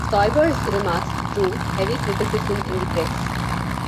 Stoiber's remarks drew heavy criticism in the press.